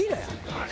あれ。